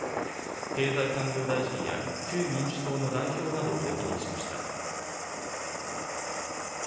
経済産業大臣や旧民主党の代表などを歴任しました。